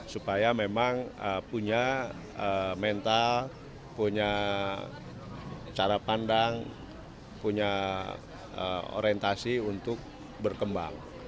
supaya memang punya mental punya cara pandang punya orientasi untuk berkembang